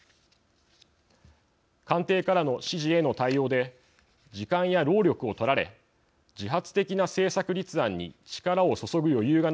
「官邸からの指示への対応で時間や労力を取られ自発的な政策立案に力を注ぐ余裕がなくなった。